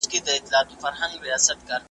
ماهي ډېرې ګټې لري.